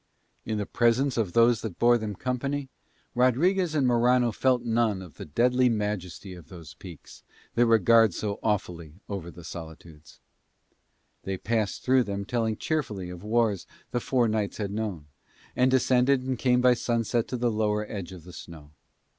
In the presence of those that bore them company Rodriguez and Morano felt none of the deadly majesty of those peaks that regard so awfully over the solitudes. They passed through them telling cheerfully of wars the four knights had known: and descended and came by sunset to the lower edge of the snow.